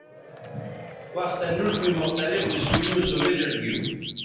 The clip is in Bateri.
وختہ نوٹ می مختلف اسکولیوں سو وزٹ گیو